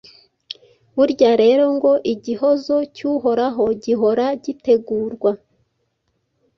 Burya rero ngo igihozo cy'Uhoraho gihora gitegurwa